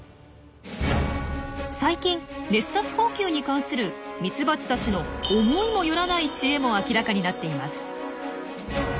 最近熱殺蜂球に関するミツバチたちの思いもよらない知恵も明らかになっています。